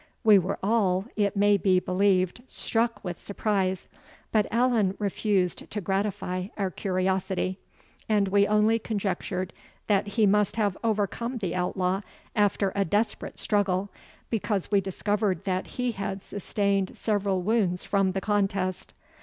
We were all, it may be believed, struck with surprise, but Allan refused to gratify our curiosity; and we only conjectured that he must have overcome the outlaw after a desperate struggle, because we discovered that he had sustained several wounds from the contest.